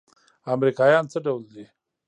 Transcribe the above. امريکايان څه ډول دي؟